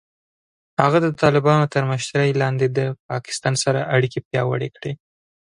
هغه د طالبانو تر مشرۍ لاندې د پاکستان سره اړیکې پیاوړې کړې.